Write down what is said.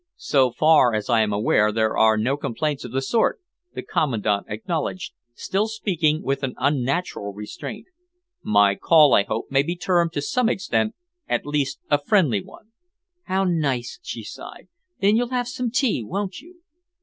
"So far as I am aware, there are no complaints of the sort," the Commandant acknowledged, still speaking with an unnatural restraint. "My call, I hope, may be termed, to some extent, at least, a friendly one." "How nice!" she sighed. "Then you'll have some tea, won't you?"